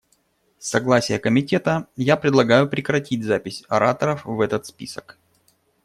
С согласия Комитета, я предлагаю прекратить запись ораторов в этот список.